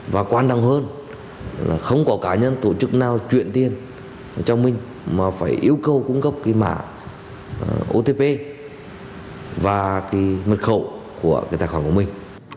và quan trọng hơn là không có cá nhân tổ chức nào chuyển tiền cho mình mà phải yêu cầu cung cấp cái mã otp và cái mật khẩu của cái tài khoản của mình